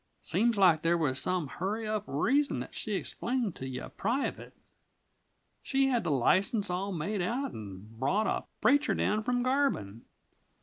Seems like there was some hurry up reason that she explained to you private. She had the license all made out and brought a preacher down from Garbin.